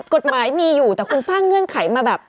กฎหมายมีอยู่แต่คุณสร้างเงื่อนไขมาแบบ